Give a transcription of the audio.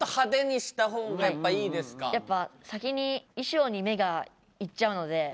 やっぱ先にいしょうに目が行っちゃうので。